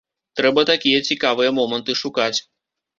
Трэба такія цікавыя моманты шукаць.